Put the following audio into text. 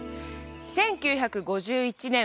１９５１年